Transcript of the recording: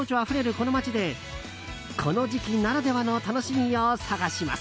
この街でこの時期ならではの楽しみを探します。